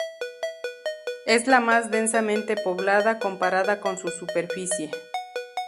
Es la más densamente poblada comparada con su superficie.